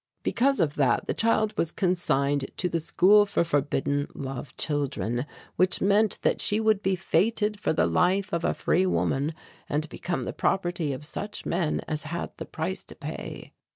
Because of that the child was consigned to the school for forbidden love children, which meant that she would be fated for the life of a free woman and become the property of such men as had the price to pay.